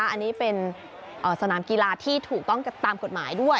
อันนี้เป็นสนามกีฬาที่ถูกต้องตามกฎหมายด้วย